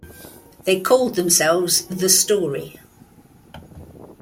They called themselves "The Story".